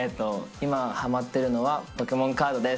今はまってるのは、ポケモンカードです。